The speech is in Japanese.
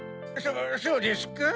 そうですか？